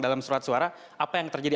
dalam surat suara apa yang terjadi